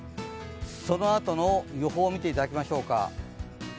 そのあとの予報を見ていただきましょうか。